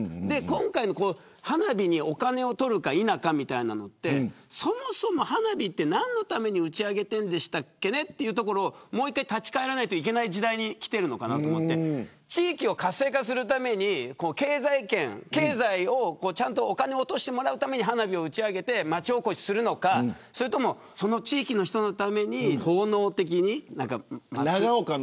今回の花火にお金を取るか否かみたいなのってそもそも花火って何のために打ち上げてるんでしたっけねというところにもう一回立ち帰らないといけない時代にきてるのかなと思って地域を活性化するためにお金を落としてもらうために花火を打ち上げて町おこしをするのか、それともその地域の人のために奉納的に。